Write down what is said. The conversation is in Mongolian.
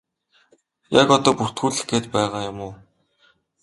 Яг одоо бүртгүүлэх гээд байгаа юм уу?